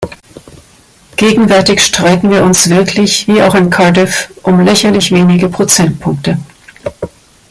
Gegenwärtig streiten wir uns wirklich wie auch in Cardiff um lächerlich wenige Prozentpunkte.